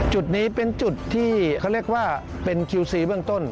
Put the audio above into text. จุดนี้เป็นจุดที่เขาเรียกว่าเป็นคิวซีเบื้องต้น